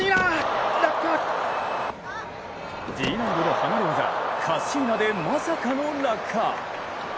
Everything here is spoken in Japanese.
Ｇ難度の離れ業カッシーナでまさかの落下。